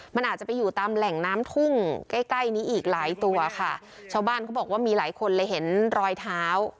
มันอาจจะไปอยู่ตามแหล่งน้ำทุ่งใกล้ใกล้นี้อีกหลายตัวค่ะชาวบ้านเขาบอกว่ามีหลายคนเลยเห็นรอยเท้า